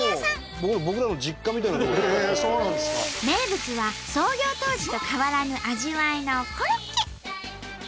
名物は創業当時と変わらぬ味わいのコロッケ！